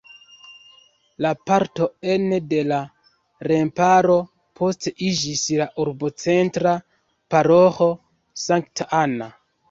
La parto ene de la remparo poste iĝis la urbocentra paroĥo Sankta Anna.